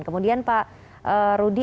kemudian pak rudi